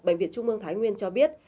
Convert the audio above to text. bệnh viện trung mương thái nguyên cho biết